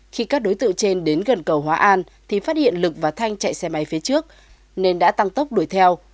khi các đối tượng trên đến gần cầu hóa an thì phát hiện lực và thanh chạy xe máy phía trước nên đã tăng tốc đuổi theo